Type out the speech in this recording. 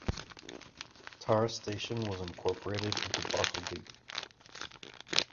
Tara Station was incorporated into Barcaldine.